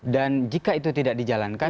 jika itu tidak dijalankan